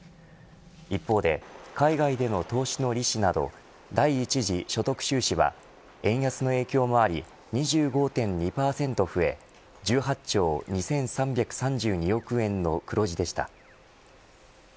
一方で海外での投資の利子など第１次所得収支は円安の影響もあり２５．２％増え１８兆２３３２億円の黒字でした